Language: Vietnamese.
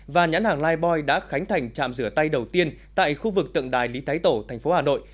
và nhãn hàng liboy đã khánh thành trạm rửa tay đầu tiên tại khu vực tượng đài lý thái tổ thành phố hà nội